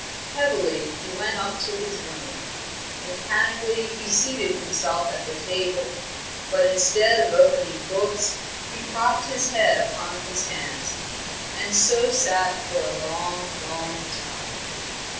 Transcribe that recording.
Heavily he went up to his room. Mechanically he seated himself at the table. But, instead of opening books, he propped his head upon his hands, and so sat for a long, long time.